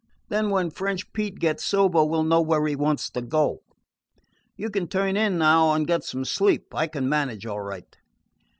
Then when French Pete gets sober we 'll know where he wants to go. You can turn in now and get some sleep. I can manage all right."